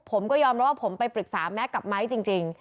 ผมก็ยอมรับว่าผมไปปรึกษาแม็กซกับไม้จริง